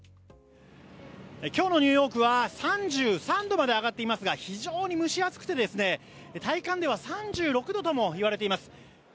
今日のニューヨークは３３度まで上がっていますが非常に蒸し暑くて、体感では３６度ともいわれています。